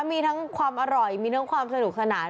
มีทั้งความอร่อยมีทั้งความสนุกสนาน